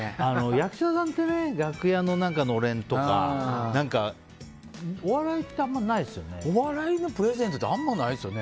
役者さんって楽屋ののれんとかお笑いのプレゼントってあまりないですよね。